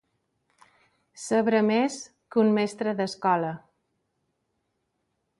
Saber més que un mestre d'escola.